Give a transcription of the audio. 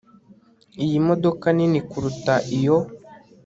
Iyi modoka nini kuruta iyo